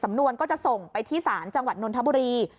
นวนก็จะส่งไปที่ศาลจังหวัดนนทบุรี